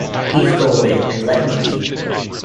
Please go away and let me be!